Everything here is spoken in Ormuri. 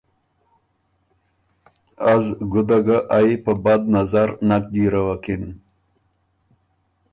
از ګُده ګه ائ په بد نظر نک جېرَوَکِن۔